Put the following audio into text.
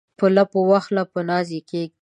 په لپو واخلي په ناز یې کښیږدي